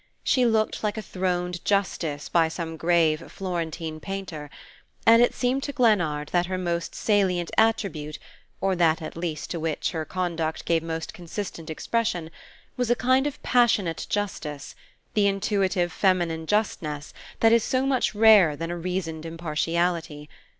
She looked like a throned Justice by some grave Florentine painter; and it seemed to Glennard that her most salient attribute, or that at least to which her conduct gave most consistent expression, was a kind of passionate justice the intuitive feminine justness that is so much rarer than a reasoned impartiality.